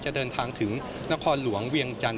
จะเดินทางถึงนครหลวงเวียงจันท